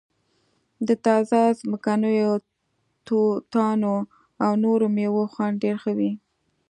د تازه ځمکنیو توتانو او نورو میوو خوند ډیر ښه وي